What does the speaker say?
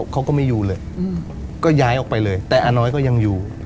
เขาก็ไม่อยู่เลยก็ย้ายออกไปเลยแต่อาน้อยก็ยังอยู่